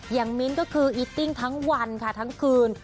อย่างมิ้นท์ก็คืออีฟติงทั้งวันค์ทั้งคืน